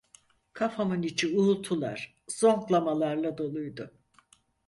Kafamın içi uğultular, zonklamalarla doluydu.